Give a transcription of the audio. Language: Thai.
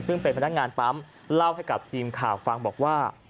ซึ่งเป็นพนักงานปั๊มเล่าให้กับทีมข่าวฟังบอกว่า